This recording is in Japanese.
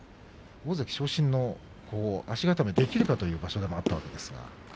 大関昇進の足固めできるかという場所でもあったわけです。